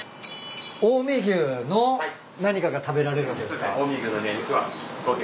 近江牛の何かが食べられるんですか？